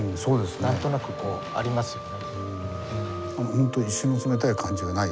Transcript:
なんとなくこうありますよね。